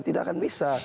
tidak akan bisa